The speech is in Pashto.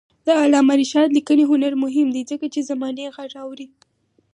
د علامه رشاد لیکنی هنر مهم دی ځکه چې زمانې غږ اوري.